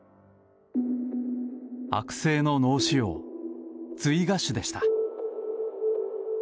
悪性の脳腫瘍、髄芽腫でした。